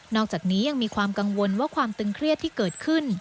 อกจากนี้ยังมีความกังวลว่าความตึงเครียดที่เกิดขึ้น